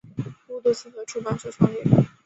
孤独星球出版社创立。